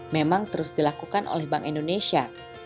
memang terus dilakukan oleh bank indonesia